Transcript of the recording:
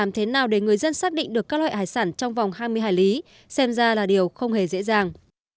chưa an toàn để làm thực phẩm nhất là tại vùng hai mươi hai lý xem ra là điều không hề dễ dàng